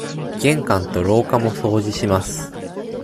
玄関と廊下も掃除します。